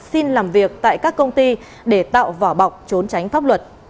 xin làm việc tại các công ty để tạo vỏ bọc trốn tránh pháp luật